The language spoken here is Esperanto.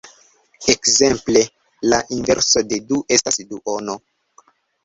Ekzemple: La inverso de du estas duono.